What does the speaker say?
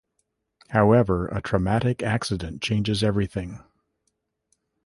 However, a traumatic accident changes everything.